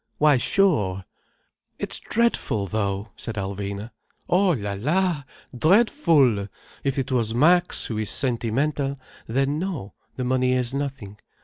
Why sure!" "It's dreadful, though—!" said Alvina. "Oh la la! Dreadful! If it was Max, who is sentimental, then no, the money is nothing.